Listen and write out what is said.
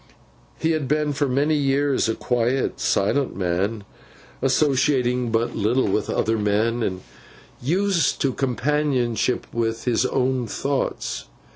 He had been for many years, a quiet silent man, associating but little with other men, and used to companionship with his own thoughts.